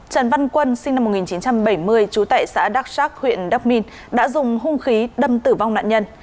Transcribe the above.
trần văn quân sinh năm một nghìn chín trăm bảy mươi chú tại xã đặc sác huyện đắk minh đã dùng hung khí đâm tử vong nạn nhân